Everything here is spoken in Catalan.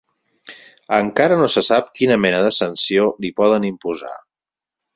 Encara no se sap quina mena de sanció li poden imposar.